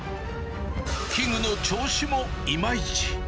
器具の調子もいまいち。